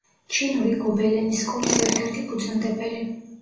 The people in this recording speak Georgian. ჩინური გობელენის სკოლის ერთ-ერთი ფუძემდებელი.